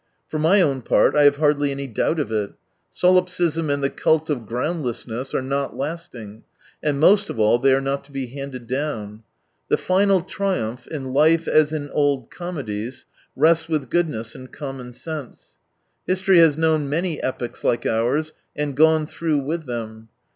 For my own part, I have hardly any doubt of it. 172 Sollipsism and the cult of groundlessness are not lasting, and, most of all, they are not to be handed down. The final triumph, in life as in old comedies, rests with goodness and common sense. History has known many epochs like ours, and gone through with them.